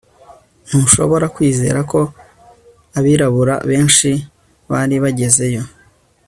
Ntushobora kwizera ko abirabura benshi bari bagezeyo